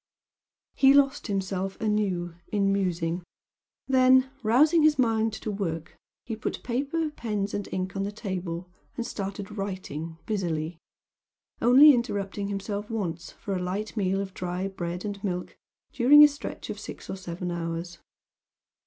He lost himself anew in musing then, rousing his mind to work, he put paper, pens and ink on the table, and started writing busily only interrupting himself once for a light meal of dry bread and milk during a stretch of six or seven hours.